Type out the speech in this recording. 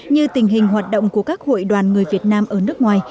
như tình hình hoạt động của các hội đoàn người việt nam ở nước ngoài